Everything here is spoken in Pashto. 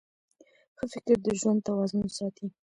ښه فکر د ژوند توازن ساتي.